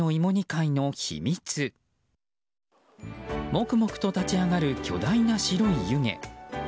もくもくと立ち上がる巨大な白い湯気。